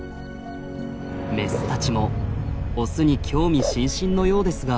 メスたちもオスに興味津々のようですが。